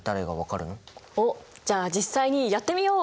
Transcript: おっじゃあ実際にやってみよう。